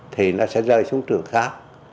thì nó sẽ rơi xuống trường khác